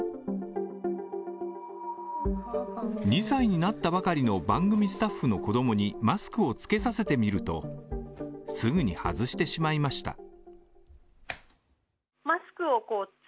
２歳になったばかりの番組スタッフの子どもにマスクを着けさせてみるとすぐに外してしまいました。